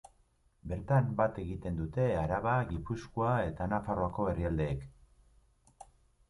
Bertan bat egiten dute Araba, Gipuzkoa eta Nafarroako herrialdeek.